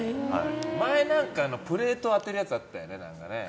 前、プレート当てるやつあったよね。